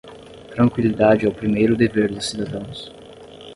Tranquilidade é o primeiro dever dos cidadãos.